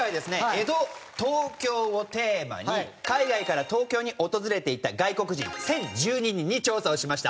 江戸・東京をテーマに海外から東京に訪れていた外国人１０１２人に調査をしました。